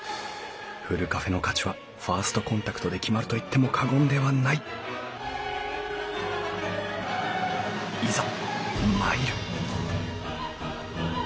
ふるカフェの価値はファーストコンタクトで決まると言っても過言ではないいざ